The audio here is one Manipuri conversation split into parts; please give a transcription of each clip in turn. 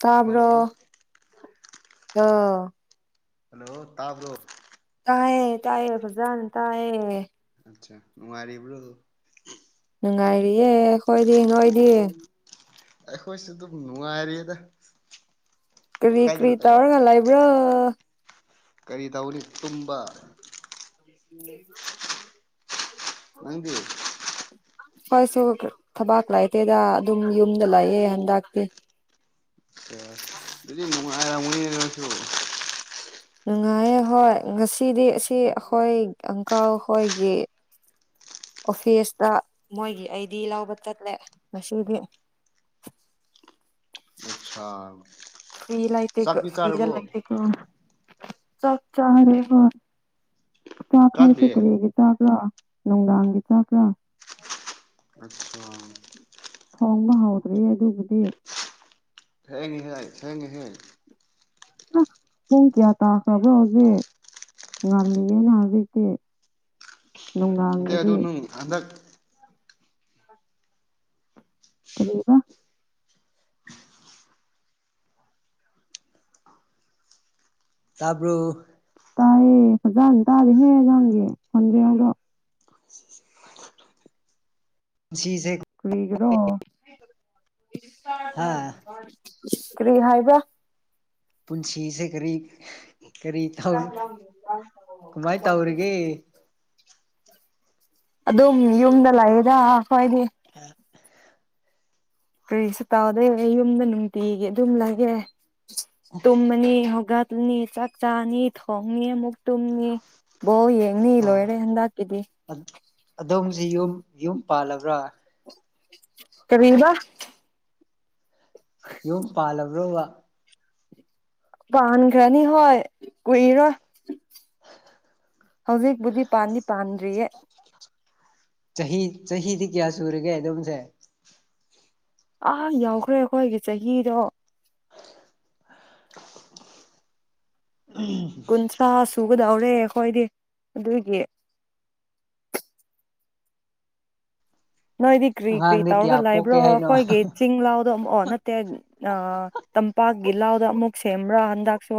ꯇꯥꯕ꯭ꯔꫭ ꯌꫭ ꯍꯜꯂꯣ ꯇꯥꯕ꯭ꯔꯣ ꯇꯥꯏꯌꯦ ꯇꯥꯏꯌꯦ ꯐꯖꯅ ꯇꯥꯏꯌꯦ ꯑꯆꯥ ꯅꯨꯡꯉꯔꯤꯕ꯭ꯔꯣ ꯅꯨꯡꯉꯥꯏꯔꯤꯌꯦ ꯑꯩꯈꯣꯏꯗꯤ ꯅꯣꯏꯗꯤ ꯑꯩꯈꯣꯏꯁꯨ ꯑꯗꯨꯝ ꯅꯨꯡꯉꯥꯏꯔꯤꯗ ꯀꯔꯤ ꯀꯔꯤ ꯇꯧꯔꯒ ꯂꯩꯕꯔꯣ ꯀꯔꯤ ꯇꯧꯅꯤ ꯇꯨꯝꯕ [unintelligible] ꯅꯪꯗꯤ ꯍꯣꯏꯁꯨ ꯊꯕꯥꯛ ꯂꯩꯥꯏꯇꯦꯗ ꯑꯗꯨꯝ ꯌꯨꯝꯗ ꯂꯥꯛꯑꯦ ꯍꯟꯗꯛꯇꯤ [unintelligible] ꯑꯗꯨꯗꯤ ꯅꯨꯉꯥꯢꯔꯝꯒꯅꯤꯅꯦ ꯅꫭꯏꯁꯨ ꯅꯨꯡꯉꯥꯏꯌꯦ ꯍꯣꯏ ꯉꯁꯤꯗꯤ ꯑꯁꯤ ꯑꯩꯈꯣꯏ ꯑꯪꯀꯜ ꯍꯣꯏꯒꯤ ꯑꯣꯐꯤꯁꯇ ꯃꯣꯏꯒꯤ ꯑꯩꯗꯤ ꯂꯧꯕ ꯆꯠꯂꯦ ꯉꯁꯤꯗꯤ ꯑꯠ ꯁꯥꯔ [unintelligible] ꯐꯤꯜ ꯂꯥꯏꯇꯦ ꯀꫭ ꯐꯔꯤꯗ ꯂꯥꯏꯇꯦ ꯑꯣ ꯆꯥꯛ ꯆꯥꯔꯦ ꯍꫭꯏ [unintelligible] ꯆꯥꯕ꯭ꯔꯥ ꯅꯨꯡꯗꯥꯡꯒꯤ ꯆꯥꯕ꯭ꯔꯥ ꯑꯗꫭ [unintelligible] ꯊꫭꯡꯕ ꯍꯥꯎꯗ꯭ꯔꯤꯌꯦ ꯑꯗꯨꯕꯨꯗꯤ ꯊꯦꯡꯏꯍꯦ ꯊꯦꯡꯏꯍꯦ ꯑꯥ ꯄꯨꯡ ꯀꯌꯥ ꯇꯥꯈ꯭ꯔꯕꫭ ꯍꯧꯖꯤꯛ ꯉꯥꯜꯂꯤꯌꯦꯅ ꯍꯧꯖꯤꯛꯇꯤ ꯑꯗꯩ ꯑꯗꯨ ꯅꯨꯡꯗꯥꯡꯒꯤꯗꯤ ꯅꯨꯡ ꯍꯟꯗꯛ ꯀꯔꯤꯕ ꯇꯥꯕ꯭ꯔꯣ ꯇꯥꯏꯌꯦ ꯐꯖꯅ ꯇꯥꯔꯦ ꯍꯦ ꯅꯪ ꯒꯤ ꯈꯣꯟꯖꯦꯟ ꯑꯗꯣ [inaudible] ꯁꯤꯁꯦ ꯀꯔꯤꯒꯤꯔꫭ ꯍꯥ [unintelligible] ꯀꯔꯤ ꯍꯥꯏꯕ ꯄꯨꯟꯁꯤꯁꯦ ꯀꯔꯤ ꯀꯔꯤ ꯇꯧ ꯀꯃꯥꯏꯅ ꯇꯧꯔꯤꯒꯦ ꯑꯗꯨꯝ ꯌꯨꯝꯗ ꯂꯩꯑꯦꯗ ꯑꯩꯈꯣꯏꯗꯤ [unintelligible] ꯀꯔꯤꯁꯨ ꯇꯥꯎꯗꯦ ꯑꯩ ꯌꯨꯝꯗ ꯅꯨꯡꯇꯤꯒꯤ ꯑꯗꯨꯝ ꯂꯩꯌꯦ ꯇꯨꯝꯃꯅꯤ ꯍꯧꯒꯠ ꯅꯤ ꯆꯥꯛ ꯆꯥꯅꯤ ꯊꯣꯡꯅꯤ ꯑꯃꯨꯛ ꯇꯨꯝꯅꯤ ꯕꯣꯜ ꯌꯦꯡꯅꯤ ꯑ ꯂꯣꯏꯔꯦ ꯍꯟꯗꯛꯀꯤꯗꯤ ꯑꯗꯣꯝꯁꯤ ꯌꯨꯝ ꯌꯨꯝ ꯄꯥꯜꯂꯕ꯭ꯔꯥ ꯀꯔꯤꯕꯥ ꯌꯨꯝ ꯄꯥꯜꯂꯕ꯭ꯔꯣꯕ ꯄꯥꯥꯟꯈ꯭ꯔꯅꯤ ꯍꯣꯢ ꯀꯨꯏꯔꯣꯏ ꯍꯧꯖꯤꯛꯄꯨꯗꯤ ꯄꯥꯟꯗꯤ ꯄꯥꯟꯗ꯭ꯔꯤꯌꯦ ꯆꯍꯤ ꯆꯍꯤꯗꯤ ꯀꯌꯥ ꯁꯨꯔꯒꯦ ꯑꯗꯣꯝꯁꯦ ꯑꯥ ꯌꯧꯈ꯭ꯔꯦ ꯑꯩꯈꯣꯏꯒꯤ ꯆꯍꯤꯗꯣ [unintelligible] ꯆꯥ ꯁꯨꯒꯗꯧꯔꯦ ꯑꯩꯈꯣꯏꯗꯤ ꯑꯗꯨꯒꯤ ꯅꯣꯏꯗꯤ ꯀ꯭ꯔꯤ ꯀ꯭ꯔꯤ ꯑꯉꯥꯡꯗꯤ ꯀꯌꯥ ꯇꯧꯔꯒ ꯂꯩꯕ꯭ꯔꯣ ꯄꯣꯛꯀꯦ ꯍꯥꯏꯅꯣ ꯑꯩꯈꯣꯏꯒꯤ ꯑꯣ ꯆꯤꯡ ꯂꯥꯎꯗꯣ ꯑꯃꯨꯛꯑꯣ ꯅꯠ ꯇꯦ ꯇꯝꯄꯥꯛꯀꯤ ꯑ ꯂꯥꯎꯗ ꯑꯃꯨꯛ ꯁꯦꯝꯕ꯭ꯔꯥ ꯍꯟꯗꯛꯁꯨ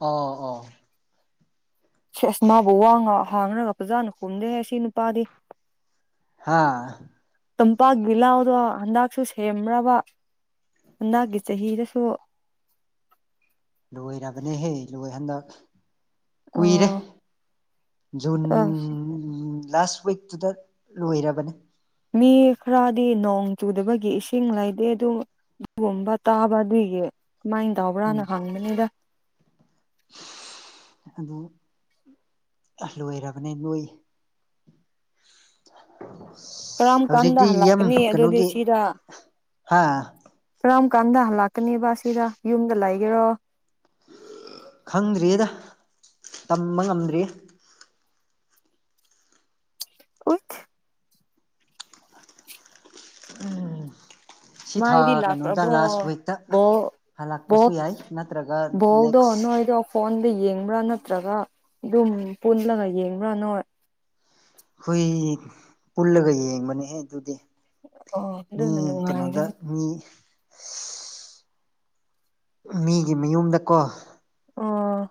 ꯑꯣ ꯑꯣ ꯁꯦꯁ ꯃꯥꯕꯨ ꯋꯥ ꯉꯥ ꯍꯥꯡꯔꯒ ꯐꯖꯅ ꯈꯨꯝꯗꯦꯍꯦ ꯁꯤ ꯅꯨꯄꯥꯗꯤ ꯍꯥꯥ ꯇꯝꯄꯥꯛꯒꯤ ꯂꯥꯎꯗꯣ ꯍꯟꯗꯛꯁꯨ ꯁꯦꯝꯕ꯭ꯔꯕ ꯍꯟꯗꯛꯀꯤ ꯆꯍꯤꯗꯁꯨ ꯂꯣꯏꯔꯕꯅꯦꯍꯦ ꯂꯣꯏ ꯍꯟꯗꯛ ꯀꯨꯏꯔꯦ ꯑꯥ ꯖꯨꯟ ꯑꯥ ꯎꯝ ꯂꯥꯁ ꯋꯤꯛꯇꯨꯗ ꯂꯣꯏꯔꯕꯅꯦ ꯃꯤ ꯈꯔꯗꯤ ꯅꯣꯡ ꯆꯨꯗꯕꯒꯤ ꯏꯁꯤꯡ ꯂꯩꯇꯦ ꯑꯗꯨ ꯑꯗꯨꯒꯨꯝꯕ ꯇꯥꯕ ꯑꯗꯨꯏꯒꯤ ꯀꯃꯥꯏꯅ ꯇꯧꯕ꯭ꯔꯅ ꯍꯪꯕꯅꯤꯗ ꯑꯗꯣ ꯂꯣꯏꯔꯕꯅꯤ ꯅꯣꯏ ꯀꯔꯝ ꯀꯥꯟꯗ ꯍꯧꯖꯤꯛꯇꯤ ꯌꯥꯝ ꯍꯜꯂꯛꯀꯅꯤ ꯑꯗꯨꯗꯤ ꯀꯩꯅꯣꯒꯤ ꯁꯤꯗ ꯍꯥ ꯀꯔꯝ ꯀꯥꯟꯗ ꯍꯜꯂꯛꯀꯅꯦꯕ ꯁꯤꯗ ꯌꯨꯝꯗ ꯂꯩꯒꯦꯔꯣ ꯈꯪꯗ꯭ꯔꯤꯌꯦꯗ ꯇꯝꯕ ꯉꯝꯗ꯭ꯔꯤꯌꯦ ꯎꯏꯠ ꯁꯤ ꯊꯥ ꯃꯥꯏꯗꯤ ꯀꯩꯅꯣꯗ ꯂꯥꯛꯈ꯭ꯔꯕꯣ ꯂꯥꯁ ꯋꯤꯛꯇ ꯕꯣꯜ ꯍꯜꯂꯛꯄꯁꯨ ꯕꯣꯜ ꯌꯥꯏ ꯅꯠꯇ꯭ꯔꯒ ꯕꯣꯜꯗꯣ ꯅꯦꯛꯁ ꯅꯣꯏꯗꯣ ꯐꯣꯟꯗ ꯌꯦꯡꯕ꯭ꯔꯥ ꯅꯠꯇ꯭ꯔꯒ ꯑꯗꯨꯝ ꯄꯨꯜꯂꯒ ꯌꯦꯡꯕ꯭ꯔꯥ ꯅꯣꯏ ꯈꯨꯏ ꯄꯨꯜꯂꯒ ꯌꯦꯡꯕꯅꯦꯍꯦ ꯑꯗꯨꯗꯤ ꯑꯣ ꯃꯤ ꯑꯗꯨꯅ ꯀꯩꯅꯣꯗ ꯅꯨꯡꯉꯥꯏꯒꯅꯤ ꯃꯤ ꯃꯤꯒꯤ ꯃꯌꯨꯝꯗ ꯀꯣ ꯑꯣ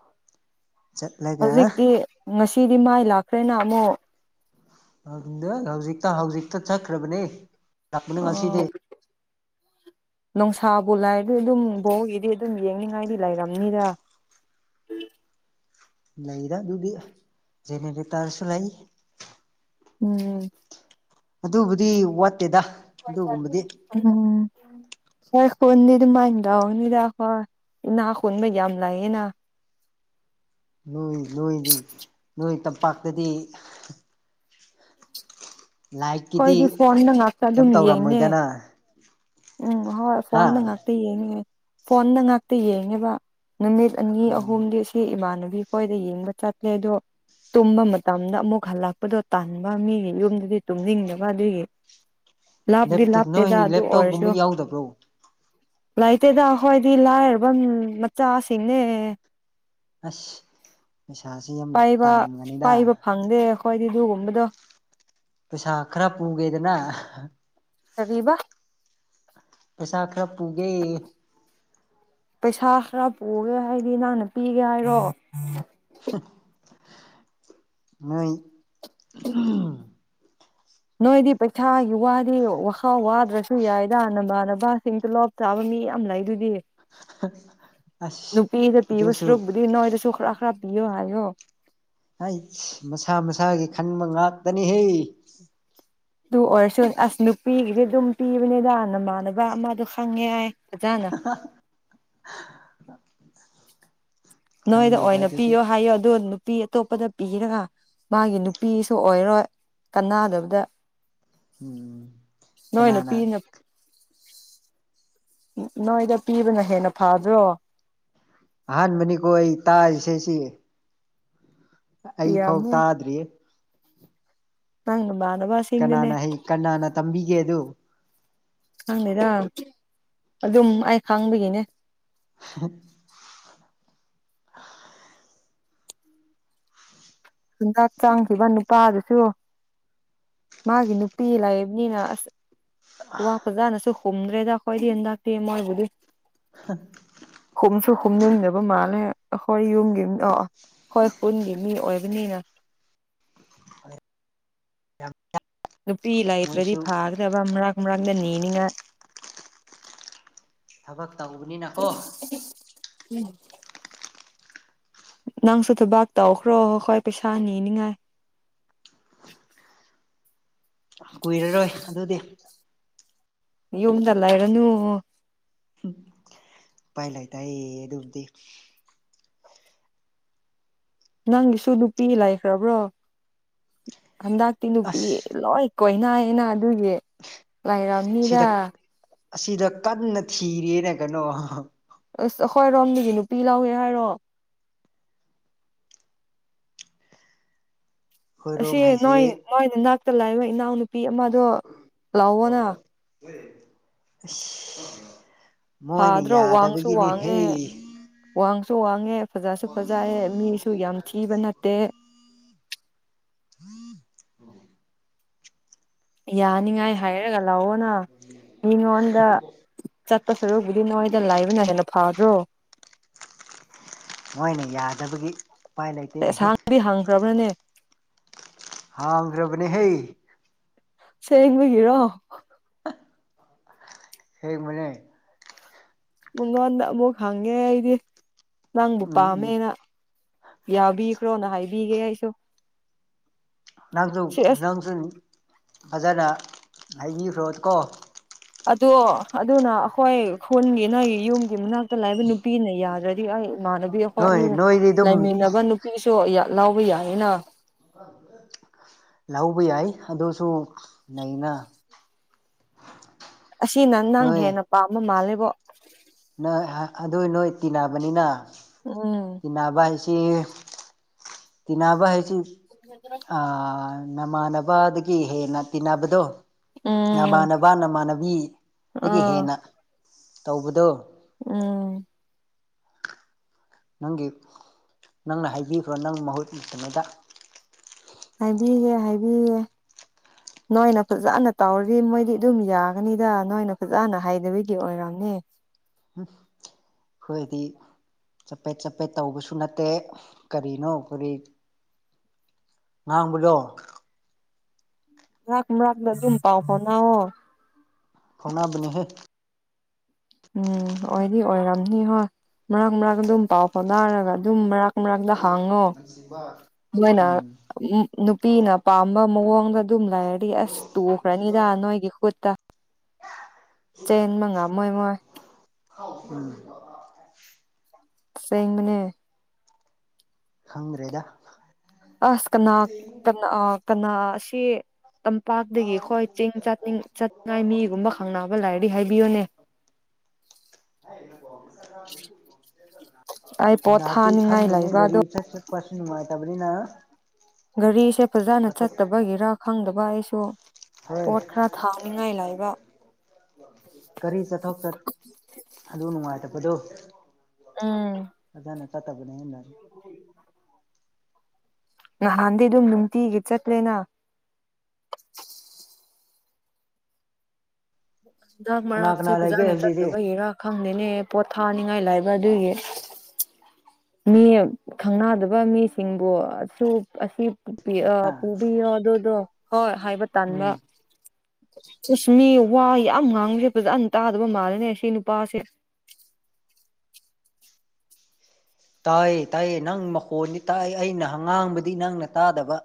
ꯆꯠꯂꯒ ꯍꯧꯖꯤꯛꯇꯤ ꯉꯁꯤꯗꯤ ꯃꯥꯏ ꯂꯥꯛꯈ꯭ꯔꯦꯅ ꯑꯃꯨꯛ ꯑꯗꯨ ꯍꯧꯖꯤꯛꯇ ꯍꯧꯖꯤꯛꯇ ꯆꯠꯈ꯭ꯔꯕꯅꯦ ꯂꯥꯛꯄꯅꯦ ꯑꯣ ꯉꯁꯤꯗꯤ ꯅꯨꯡꯁꯥꯕꯨ ꯂꯥꯏꯔꯗꯤ ꯑꯗꯨꯝ ꯕꯣꯜꯒꯤꯗꯤ ꯑꯗꯨꯝ ꯌꯦꯡꯅꯤꯡꯉꯥꯏꯗꯤ ꯂꯩꯔꯝꯅꯤꯗ ꯂꯩꯗ ꯑꯗꯨꯗꯤ ꯖꯦꯅꯦꯔꯦꯇꯥꯔꯁꯨ ꯂꯩ ꯎꯝ ꯑꯗꯨꯕꯨꯗꯤ ꯋꯥꯠꯇꯦꯗ ꯑꯗꯨꯒꯨꯝꯕꯗꯤ ꯎꯝ ꯈꯣꯏ ꯈꯨꯟꯗꯤ ꯑꯗꯨꯃꯥꯏ ꯇꯧꯕꯅꯤꯗ ꯍꯣꯏ ꯏꯅꯥ ꯈꯨꯟꯕ ꯌꯥꯝ ꯂꯩꯌꯦꯅ꯫ ꯅꯣꯏ-ꯅꯣꯏꯗꯤ ꯅꯣꯏ ꯇꯝꯄꯥꯛꯇꯗꯤ ꯂꯥꯏꯠꯀꯤꯗꯤ ꯍꯣꯏꯗꯤ ꯐꯣꯟꯗ ꯉꯥꯛꯇ ꯀꯩꯝ ꯑꯗꯨꯝ ꯌꯦꯡꯉꯦ ꯇꯧꯔꯝꯃꯣꯏꯗꯅ ꯎꯝ ꯍꯣꯏ ꯍꯥ ꯐꯣꯟꯗ ꯉꯥꯛ ꯇ ꯌꯦꯡꯉꯦ ꯐꯣꯟꯗ ꯉꯥꯛꯇ ꯌꯦꯡꯉꯦꯕ ꯅꯨꯃꯤꯠ ꯑꯅꯤ ꯎꯝ ꯑꯍꯨꯝꯗꯤ ꯗꯤ ꯏꯃꯥꯟꯅꯕꯤ ꯈꯣꯏꯗ ꯌꯦꯡꯕ ꯆꯠꯂꯦ ꯑꯗꯣ ꯇꯨꯝꯕ ꯃꯇꯝꯗ ꯑꯃꯨꯛ ꯍꯜꯂꯛꯄꯗꯣ ꯇꯟꯕ ꯃꯤꯒꯤ ꯃꯌꯨꯝꯗꯗꯤ ꯇꯨꯝꯅꯤꯡꯗꯕ ꯑꯗꯨꯏꯒꯤ꯫ ꯂꯥꯞꯇꯤ ꯂꯦꯞꯇꯣꯞ ꯅꯣꯏ ꯂꯥꯞꯇꯦꯗ ꯑꯗꯨ ꯂꯦꯞꯇꯣꯞꯀꯨꯝꯕ ꯑꯣꯏꯔꯁꯨ꯫ ꯌꯥꯎꯗꯕ꯭ꯔꯣ ꯂꯩꯇꯦꯗ ꯈꯣꯏꯗꯤ ꯂꯥꯏꯔꯕ ꯃꯤ-ꯃꯆꯥꯁꯤꯡꯅꯦ꯫ ꯑꯁ ꯄꯩꯁꯥꯥꯁꯦ ꯌꯥꯝ ꯄꯥꯏꯕ ꯇꯥꯜꯂꯝꯒꯅꯤꯗ꯫ ꯄꯥꯏꯕ ꯐꯪꯗꯦ ꯑꯩꯈꯣꯏꯗꯤ ꯑꯗꯨꯒꯨꯝꯕꯗꯣ꯫ ꯄꯩꯁꯥ ꯈꯔ ꯄꯨꯒꯦꯗꯅ? ꯀꯔꯤꯕ? ꯄꯩꯁꯥ ꯈꯔ ꯄꯨꯒꯦ? ꯄꯩꯁꯥ ꯈꯔ ꯄꯨꯒꯦ ꯍꯥꯏꯗꯤ ꯅꯪꯅ ꯄꯤꯒꯦ ꯍꯥꯏꯔꯣ? ꯅꯣꯏ ꯑꯝ꯫ ꯅꯣꯏꯗꯤ ꯄꯩꯁꯥꯒꯤ ꯋꯥꯗꯤ ꯋꯥꯈꯥꯎ ꯋꯥꯗ꯭ꯔꯁꯨ ꯌꯥꯏꯗ ꯅꯃꯥꯟꯅꯕꯁꯤꯡ ꯇꯣꯂꯣꯞ ꯆꯥꯕ ꯃꯤ ꯌꯥꯝ ꯂꯩꯗꯨꯗꯤ꯫ ꯍ ꯅꯨꯄꯤꯗ ꯄꯤꯕ ꯁꯔꯨꯛꯕꯨꯗꯤ ꯅꯣꯏꯗꯁꯨ ꯈꯔ ꯈꯔ ꯄꯤꯌꯣ ꯍꯥꯏꯌꯣ꯫ ꯍꯩꯁ ꯃꯁꯥ-ꯃꯁꯥꯒꯤ ꯈꯟꯕ ꯉꯥꯛꯇꯅꯤꯍꯦ꯫ ꯑꯗꯨ ꯑꯣꯏꯔꯁꯨ ꯑꯁ ꯅꯨꯄꯤꯒꯤꯗꯤ ꯑꯗꯨꯝ ꯄꯤꯕꯅꯤꯗ ꯅꯃꯥꯟꯅꯕ ꯑꯃꯗꯣ ꯈꯪꯉꯦ ꯍꯥꯏ꯫ [unintelligible] [inaudible] ꯅꯣꯏꯗ ꯈꯪꯗꯦꯗ ꯑꯣꯏꯅ ꯑꯗꯨꯗꯤ ꯄꯤꯌꯣ ꯍꯥꯏꯌꯣ ꯑꯗꯨ ꯅꯨꯞ ꯅꯨꯄꯤ ꯑꯇꯣꯞꯄꯗ ꯄꯤꯔꯒ ꯃꯥꯒꯤ ꯅꯨꯄꯤꯁꯨ ꯑꯣꯏꯔꯣꯏ ꯀꯅꯥꯗꯕꯗ꯫ ꯎꯝ ꯅꯣꯏꯅ ꯀꯅꯥꯅ? ꯄꯤꯅ ꯅꯣꯏꯗ ꯄꯤꯕꯅ ꯍꯦꯟꯅ ꯐꯕ꯭ꯔꯣ꯫ ꯑꯍꯥꯟꯕꯅꯤꯀꯣ ꯑꯩ ꯇꯥꯔꯤꯁꯦ-ꯁꯤ꯫ ꯑꯩ ꯐꯥꯎ ꯄꯤꯔꯝꯅꯤ ꯇꯥꯗ꯭ꯔꯤꯌꯦ꯫ ꯅꯪ ꯅꯥꯟꯕ-ꯁꯤ꯫ ꯀꯅꯥꯅ ꯍꯩ ꯀꯅꯥꯅ ꯇꯝꯕꯤꯒꯦ ꯑꯗꯨ꯫ ꯈꯪꯗꯦꯗ ꯑꯗꯨꯝ ꯑꯩ ꯈꯡꯕꯒꯤꯅꯦ꯫ [unintelligible] ꯍꯟꯗꯥꯛ ꯆꯥꯡꯈꯤꯕ ꯅꯨꯄꯥꯗꯨꯁꯨ꯫ ꯃꯥꯒꯤ ꯅꯨꯄꯤ ꯂꯩꯕꯅꯤꯅ ꯑꯁ ꯋꯥ ꯐꯖꯥꯅꯁꯨ ꯍꯨꯝꯗ꯭ꯔꯦꯗ ꯑꯩꯈꯣꯏꯗꯤ ꯍꯟꯗꯥꯛꯇꯤ ꯃꯣꯏꯕꯨꯗꯤ꯫ ꯍꯥ ꯍꯨꯝꯁꯨ ꯍꯨꯝꯅꯤꯡꯗꯕ ꯃꯥꯜꯂꯦ ꯑꯍꯣꯏ ꯌꯨꯝꯒꯤ ꯑꯣ-ꯑꯗꯣꯏ ꯈꯨꯟꯒꯤ ꯃꯤ ꯑꯣꯏꯕ [unintelligible] ꯑ [inaudible] ꯅꯨꯄꯤ ꯂꯩꯇ꯭ꯔꯗꯤ ꯃꯣꯏꯁꯨ ꯐꯥꯒꯗꯕ ꯃꯔꯥꯛ-ꯃꯔꯥꯛꯗ ꯅꯤꯅꯤꯉꯥꯏ꯫ ꯊꯕꯛ ꯇꯧꯕꯅꯤꯅꯀꯣ꯫ ꯎꯝ ꯅꯪꯁꯨ ꯊꯕꯥꯛ ꯇꯧꯈ꯭ꯔꯣ ꯑꯈꯣꯏ ꯄꯩꯁꯥ ꯅꯤꯅꯤꯉꯥꯏ꯫ ꯀꯨꯏꯔꯔꯣꯏ ꯑꯗꯨꯗꯤ ꯌꯨꯝꯗ ꯂꯩꯔꯅꯨ꯫ ꯎꯄꯥꯏ ꯂꯩ ꯇꯥꯏ ꯑꯗꯨꯕꯨꯗꯤ꯫ ꯅꯪꯒꯤꯁꯨ ꯅꯨꯄꯤ ꯂꯩꯈ꯭ꯔꯕ꯭ꯔꯣ? ꯍꯟꯗꯛꯇꯤ ꯅꯨꯄꯤ ꯑꯁ ꯂꯣꯏ ꯀꯣꯏꯅꯩꯌꯦꯅ ꯑꯗꯨꯒꯤ ꯂꯩꯥꯔꯝꯅꯤꯗ ꯁꯤꯗ ꯑꯁꯤꯗ ꯀꯟꯅ ꯊꯤꯔꯦꯅ ꯀꯩꯅꯣ ꯑꯁ ꯑꯩꯈꯣꯏ ꯔꯣꯝꯗꯒꯤ ꯅꯨꯄꯤ ꯂꯧꯋꯦ ꯍꯥꯏꯔꯣ? ꯑꯁꯤ ꯈꯣꯏꯔꯣꯝ ꯅꯣꯏ ꯍꯩꯁꯦ ꯅꯣꯏꯅ ꯅꯥꯛꯇ ꯂꯥꯛꯏꯕ ꯏꯅꯥꯎꯅꯨꯄꯤ ꯑꯃꯗꯣ ꯂꯥꯑꯣꯑꯣꯅ ꯑꯁ ꯃꯣꯏꯅ ꯐꯥꯗ꯭ꯔꯣ ꯋꯥꯡꯁꯨ ꯌꯥꯗꯕꯒꯤꯅꯤꯍꯦ꯫ ꯋꯥꯡꯉꯦ ꯋꯥꯡꯁꯨ ꯋꯥꯡꯉꯦ ꯐꯖꯁꯨ ꯐꯖꯑ ꯃꯤꯁꯨ ꯌꯥꯝ ꯊꯤꯕ ꯅꯠꯇꯦ꯫ [inaudible] ꯌꯥꯅꯤꯉꯥꯏ ꯍꯥꯏꯔꯒ ꯂꯥꯛꯑꯣꯅ ꯃꯤꯉꯣꯟꯗ ꯆꯥꯠꯄꯥ ꯁꯔꯨꯛꯗꯤ ꯅꯣꯏꯗ ꯂꯥꯏꯕꯅ ꯍꯦꯟꯅ ꯐꯥꯗꯔꯣ ꯃꯣꯏꯅ ꯌꯥꯗꯕꯒꯤ ꯎꯄꯥꯏ ꯂꯩꯇꯦꯅꯦꯍꯦ ꯌꯦꯟꯁꯥꯡꯗꯤ ꯍꯪꯈ꯭ꯔꯕꯅꯦ ꯍꯥꯡꯈ꯭ꯔꯕꯅꯦ ꯍꯩ ꯁꯦꯡꯕꯒꯤꯔꯣ ꯑꯁꯦꯡꯕꯅꯦ ꯃꯤꯉꯣꯟꯗ ꯑꯃꯨꯛ ꯍꯪꯉꯦ ꯑꯩꯗꯤ ꯅꯪꯕꯨ ꯎꯝ ꯎꯝ ꯄꯥꯝꯃꯦꯅ ꯌꯥꯎꯕꯤꯈ꯭ꯔꯣꯅ ꯍꯥꯏꯕꯤꯒꯦ ꯑꯩꯁꯨ ꯁꯤ ꯑꯁ ꯅꯥꯡꯖꯟ ꯕꯖꯥꯔꯅ ꯍꯥꯏꯕꯤꯈ꯭ꯔꯣ ꯀꯣ ꯑꯗꯣ ꯑꯗꯨꯅ ꯑꯩꯈꯣꯏ ꯈꯨꯜꯒꯤ ꯅꯪꯒꯤ ꯌꯨꯝꯒꯤ ꯃꯅꯥꯛꯇ ꯂꯥꯛꯕ ꯅꯨꯄꯤꯅ ꯌꯥꯗ꯭ꯔꯗꯤ ꯑꯩ ꯏꯃꯥꯟꯅꯕꯤ ꯑꯩꯈꯣꯏ ꯅꯣꯏ ꯑꯅꯤ ꯅꯣꯏꯗꯤ ꯑꯗꯨꯝ ꯂꯩꯃꯤꯟꯅꯕ ꯅꯨꯄꯤꯁꯨ ꯂꯥꯎꯕ ꯌꯥꯅꯤꯅ ꯑ [inaudible] ꯂꯧꯕ ꯌꯥꯏ ꯑꯗꯨꯁꯨ ꯂꯩꯅ ꯑꯁꯤꯅ ꯅꯪ ꯅꯣꯏ ꯍꯦꯟꯅ ꯄꯥꯝꯕ ꯃꯥꯜꯂꯦꯕꯣ ꯅꯣꯏ ꯑꯗꯨꯏ ꯅꯣꯏ ꯇꯤꯟꯅꯕꯅꯤꯅ ꯑꯝ ꯇꯤꯅꯥꯕ ꯍꯥꯏꯁꯤ ꯇꯤꯅꯥꯕ ꯍꯥꯏꯁ ꯑ ꯅꯃꯥꯟꯅꯕ ꯑꯗꯒꯤ ꯍꯦꯟꯅ ꯇꯤꯟꯅꯕꯗꯣ ꯎꯝ ꯅꯃꯥꯟꯅꯕ ꯅꯃꯥꯟꯅꯕꯤꯗꯒꯤ ꯑꯥ ꯍꯦꯟꯅ ꯇꯧꯕꯗꯣ ꯎꯝ ꯅꯪꯒꯤ ꯅꯪꯅ ꯍꯥꯏꯕꯤꯈ꯭ꯔꯣ ꯅꯪ ꯃꯍꯨꯠꯇꯉꯩꯗ ꯍꯥꯏꯕꯤꯒꯧ ꯍꯥꯏꯕꯤꯒꯦ [unintelligible] ꯅꯣꯏꯅ ꯐꯖꯅ ꯇꯧꯔꯤ ꯃꯣꯏꯗꯤ ꯑꯗꯨꯝ ꯌꯥꯒꯅꯤꯗ ꯅꯣꯏꯅ ꯐꯖꯅ ꯍꯥꯏꯩꯗꯕꯤꯗꯤ ꯑꯣꯏꯔꯝꯅꯤ ꯑꯩꯈꯣꯏꯗꯤ ꯆꯄꯦꯠ ꯆꯄꯦꯠ ꯇꯧꯕꯁꯨ ꯅꯠꯇꯦ ꯀꯔꯤꯅꯣ ꯑꯩꯈꯣꯏ ꯉꯥꯡꯕꯗꯣ ꯃꯥꯔꯛ ꯃꯔꯛꯗ ꯑꯗꯨꯝ ꯄꯥꯎ ꯐꯥꯎꯅꯧꯑꯣ ꯐꯣꯡꯅꯥꯕꯅꯦꯍꯦ ꯎꯝ ꯑꯣꯏꯗꯤ ꯑꯣꯏꯔꯝꯅꯤ ꯍꯣꯏ ꯃꯔꯛ ꯃꯔꯛ ꯑꯗꯨꯝ ꯄꯥꯎ ꯐꯥꯎꯗꯥꯔꯒ ꯑꯗꯨꯝ ꯃꯔꯛ ꯃꯔꯛꯇ ꯉꯁꯤꯕꯥ ꯅꯣꯏꯅ ꯅꯨꯄꯤꯅ ꯄꯥꯝꯕ ꯃꯑꯣꯡꯗ ꯑꯗꯨꯝ ꯂꯩꯔꯗꯤ ꯑꯁ ꯇꯨꯈ꯭ꯔꯅꯤꯗ ꯅꯣꯏꯒꯤ ꯀꯠꯇ ꯆꯦꯟꯕ ꯉꯥꯝꯃꯣꯏ ꯎꯝ [inaudible] ꯑꯁꯦꯡꯕꯅꯦ ꯈꯪꯗ꯭ꯔꯦꯗ ꯑꯁ ꯀꯅꯥ ꯀ ꯀꯅꯥ ꯑꯁꯤ ꯑꯁꯤ ꯇꯝꯄꯥꯛꯇꯒꯤ ꯑꯣꯏ ꯆꯤꯡ ꯆꯅꯤꯡ ꯆꯥꯅꯤꯡꯉꯥꯏ ꯃꯤꯒꯨꯝꯕ ꯈꯪꯅꯕ ꯂꯥꯏꯔꯗꯤ ꯍꯥꯏꯕꯤꯌꯣꯅꯦ ꯍꯥꯏ [inaudible] ꯑꯩ ꯄꯣꯠ ꯅꯅꯥꯇ ꯈꯪ ꯊꯥꯅꯤꯡꯉꯥꯏ ꯃꯅꯦ ꯂꯩꯕ ꯔꯤ ꯑꯗꯣ [inaudible] ꯑꯩꯈꯣꯢꯁꯨ ꯅꯨꯡꯉꯥꯢꯇꯕꯅꯤꯅ ꯒꯥꯔꯤꯁꯦ ꯐꯖꯅ ꯆꯠꯇꯕꯒꯤꯔ ꯈꯪꯗꯕ ꯑꯩꯁꯨ ꯍꯣꯏ ꯄꯣꯠ ꯈꯔ ꯊꯥꯅꯤꯡꯉꯥꯏ ꯂꯩꯕ ꯀꯔꯤꯁꯨ ꯆꯠꯊꫭꯛꯇꯥ ꯑꯗꯨꯒꯤ ꯅꯨꯡꯉꯥꯏꯇꯕꯗꯣ꯫ ꯑꯗꯨꯅꯥ ꯆꯠꯇꯥꯕꯅꯤ ꯑꯩꯅꯥ ꯎꯝꯝ [inaudible] ꯅꯍꯥꯟꯗꯒꯤ ꯑꯗꯨꯝ ꯅꯨꯡꯇꯤꯒꯤ ꯆꯠꯂꯦꯅꯥ꯫ ꯍꯟꯗꯛ ꯀꯅꯥ ꯃꯔꯥꯛꯁꯦ ꯀꯅꯥ ꯂꯩꯒꯦ ꯐꯖꯥꯅ ꯍꯧꯖꯤꯛꯗꯤ ꯆꯠꯇꯥꯕꯒꯤ ꯔꯥ ꯈꯪꯗꯦꯅꯦ ꯄꯣꯠꯊꯥꯅꯤꯡꯉꯥꯒꯥ ꯂꯩꯕꯥ ꯑꯗꯨꯒꯤ꯫ ꯃꯤ ꯈꯪꯅꯗꯕ ꯃꯤꯁꯤꯡꯕꯨ ꯑꯁꯨꯛ ꯑꯁꯤ ꯑꯥ ꯄꯨꯕꯤꯌꯣ ꯑꯗꯨ ꯑꯗꯨꯗꯣ ꯍꯣꯏ ꯍꯥꯏꯕ ꯇꯥꯟꯕꯥ ꯎꯝ ꯆꯨꯁꯃꯤ ꯋꯥ ꯌꯥꯝ ꯉꯥꯡꯕꯁꯤ ꯐꯖꯅ ꯇꯥꯗꯕ ꯃꯥꯜꯂꯦꯅꯦ ꯁꯤ ꯅꯨꯄꯥꯁꯦ꯫ ꯇꯥꯏꯌꯦ ꯇꯥꯏꯌꯦ ꯅꯪ ꯃꯈꯣꯟꯗꯤ ꯇꯥꯏ ꯑꯩꯅꯥ ꯉꯥꯡꯕꯗꯤ ꯅꯪꯅ ꯇꯥꯗꯕ꯫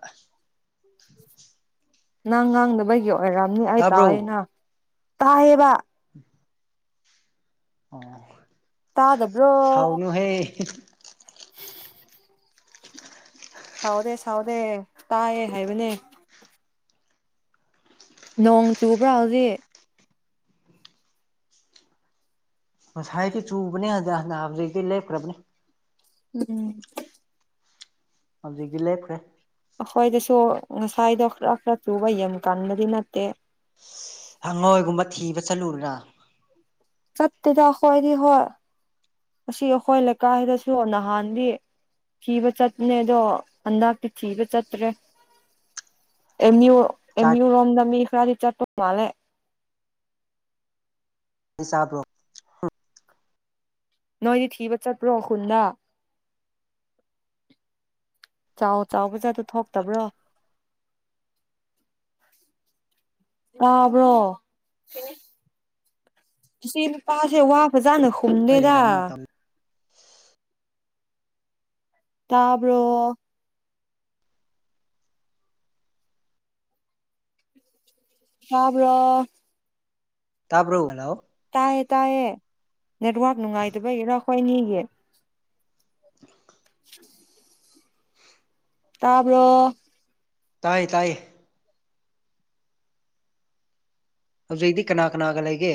ꯅꯪ ꯉꯥꯡꯗꯕꯒꯤ ꯑꯣꯏꯔꯝꯅꯤ ꯑꯩ ꯇꯥꯌꯅꯥ ꯇꯥꯏꯌꯦꯕꯥ꯫ ꯎꯝꯝ ꯑꯣꯑꫭ ꯁꯥꯎꯅꯣ ꯍꯦ ꯍꯨꯝꯍꯨꯝ ꯁꯥꯎꯗꯦ ꯁꯥꯎꯗꯦ ꯇꯥꯏꯌꯦ ꯍꯥꯏꯕꯅꯤ꯫ ꯅꯣꯡ ꯆꯨꯕ꯭ꯔꫭ ꯍꯧꯖꯤꯛ꯫ ꯉꯁꯥꯏꯒꯤ ꯆꯨꯕꯅꯦ ꯍꯟ ꯍꯧꯖꯤꯇꯤ ꯂꯦꯞꯈ꯭ꯔꯕꯅꯦ꯫ ꯎꯝꯝ ꯝ ꯍꯧꯖꯤꯛꯇꯤ ꯂꯦꯞꯈ꯭ꯔꯦ꯫ ꯑꯩꯈꯣꯏꯗꯁꯨ ꯉꯁꯥꯏꯗꯣ ꯈꯔ ꯈꯔ ꯆꯨꯕ ꯌꯥꯝ ꯀꯟꯕꯗꯤ ꯅꯠꯇꯦ꯫ ꯍꯉꯣꯏꯒꯨꯝꯕꯥ ꯊꯤꯕꯥ ꯆꯠꯂꯨꯔꯔꯥ꯫ ꯆꯠꯇꯦꯗ ꯑꯩꯈꯣꯏꯗꯤ ꯍꯣꯏ ꯑꯁꯤ ꯑꯩꯈꯣꯏ ꯂꯩꯀꯥꯏ ꯗꯥꯁꯨ ꯅꯍꯥꯟꯗꯤ꯫ ꯊꯤꯕ ꯆꯠꯄꯅꯦ ꯑꯗꯣ ꯍꯟꯗꯛꯇꯤ ꯊꯤꯕ ꯆꯠꯇ꯭ꯔ°꯫ ꯑꯦꯝ ꯑꯎ ꯑꯦꯝ ꯆꯥꯗꯤ ꯑꯎ ꯔꫭꯝꯗꯗꯤ ꯃꯤ ꯈꯔꯥ ꯗꯤ ꯆꯠꯄꯤ ꯃꯂꯦꯕꯥ ꯅꯪꯊꯤ ꯆꯥꯗꯔꫭ ꯅꯣꯏꯗꯤ ꯊꯤꯕ ꯆꯠꯄ꯭ꯔꯣ ꯈꯨꯜꯟꯗꯥ ꯆꯥꯎ ꯆꯥꯎꯕꯖꯥꯠꯇꫭ ꯊꯣꯛꯇꯕ꯭ꯔꯣ꯫ ꯇꯥꯕ꯭ꯔꯣ ꯏꯁꯤ ꯅꯨꯄꯥꯁꯤ ꯋꯥ ꯐꯖꯥꯅꯥ ꯑꯩ ꯈꯨꯝꯗꯦꯗ ꯂꯩꯔꯝꯕ ꯃꯇꯝ ꯇꯥꯕ꯭ꯕꯔꯣ꯫ ꯇꯥꯕ꯭ꯔꯣ꯫ ꯇꯥꯕ꯭ꯔꯣꯂꯣ ꯍꯔꯥꯎ ꯇꯥꯏꯌꯦ ꯇꯥꯏꯌꯦ ꯅꯦꯠꯋꯔꯛ ꯅꯨꯡꯉꯥꯏꯇꯕꯒꯤꯔꯥ ꯑꯩꯈꯣꯏ ꯑꯅꯤꯒꯤ ꯎ [unintelligible] [unintelligible] [inaudible] ꯍꯨꯝꯝ ꯇꯥꯕꯔꫭ ꯇꯥꯏꯏꯌꯦ ꯇꯥꯏꯌꯦ꯫ ꯍꯧꯖꯤꯛꯇꯤ ꯀꯅꯥ ꯀꯅꯥꯒ ꯂꯩꯒꯦ꯫